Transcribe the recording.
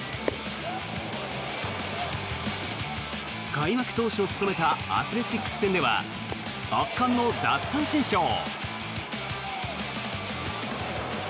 開幕投手を務めたアスレチックス戦では圧巻の奪三振ショー。